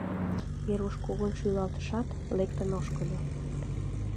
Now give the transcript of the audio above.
Веруш кугун шӱлалтышат, лектын ошкыльо.